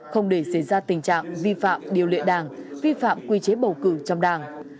không để xảy ra tình trạng vi phạm điều lệ đảng vi phạm quy chế bầu cử trong đảng